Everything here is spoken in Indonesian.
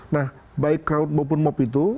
nah baik crowd maupun mop itu